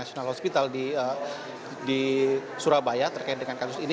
di surabaya terkait dengan kasus ini